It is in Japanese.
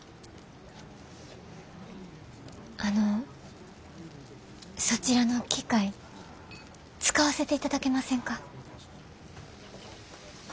あのそちらの機械使わせていただけませんか？